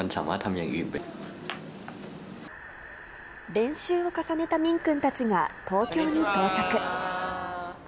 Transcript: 練習を重ねたミン君たちが、東京に到着。